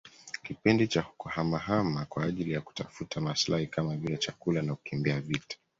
kipindi cha kuhamahama kwa ajili ya kutafuta maslahi kama vile chakula na kukimbia vita